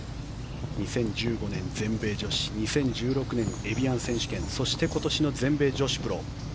２０１５年全米女子２０１６年エビアン選手権そして、今年の全米女子プロ。